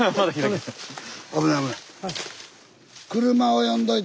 はい。